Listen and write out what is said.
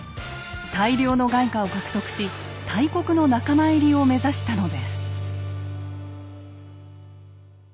大量の外貨を獲得し大国の仲間入りを目指したのです。